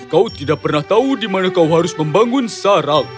kau tidak pernah tahu di mana kau harus membangun sarang